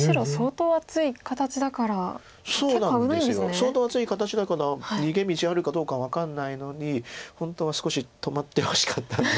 相当厚い形だから逃げ道あるかどうか分かんないのに本当は少し止まってほしかったんですけど。